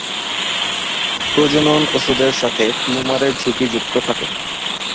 প্রজনন ওষুধের সাথে টিউমারের ঝুঁকি যুক্ত থাকে।